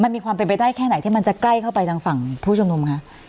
มีความเป็นไปได้แค่ไหนที่จะใกล้เข้าไปฟังผู้จำนวม